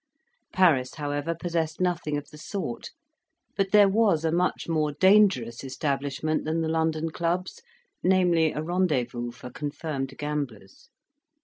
Paris, however, possessed nothing of the sort; but there was a much more dangerous establishment than the London clubs, namely, a rendezvous for confirmed gamblers.